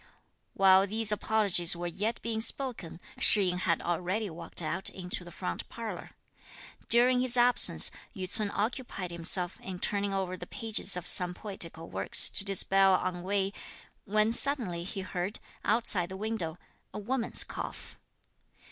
While these apologies were yet being spoken, Shih yin had already walked out into the front parlour. During his absence, Yü ts'un occupied himself in turning over the pages of some poetical work to dispel ennui, when suddenly he heard, outside the window, a woman's cough.